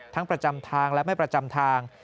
ประจำทางและไม่ประจำทาง